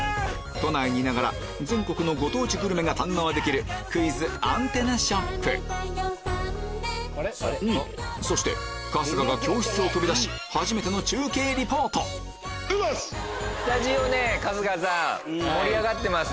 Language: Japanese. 都内にいながら全国のご当地グルメが堪能できるクイズ★アンテナショップそして春日が教室を飛び出し初めての中継リポートうまし！